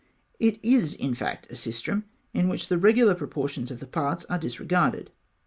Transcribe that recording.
It is in fact a sistrum, in which the regular proportions of the parts are disregarded.